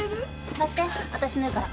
貸して私縫うから。